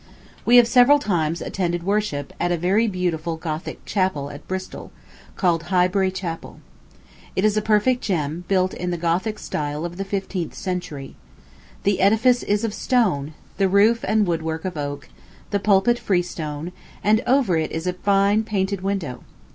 We have several times attended worship at a very beautiful Gothic chapel at Bristol, called Highbury Chapel. It is a perfect gem, built in the Gothic style of the fifteenth century. The edifice is of stone, the roof and wood work of oak, the pulpit freestone, and over it is a fine painted window.